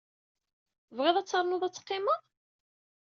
Tebɣiḍ ad ternuḍ ad teqqimeḍ?